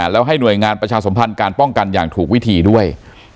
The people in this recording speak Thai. แล้วให้หน่วยงานประชาสมพันธ์การป้องกันอย่างถูกวิธีด้วย